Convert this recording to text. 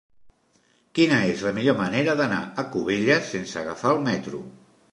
Quina és la millor manera d'anar a Cubelles sense agafar el metro?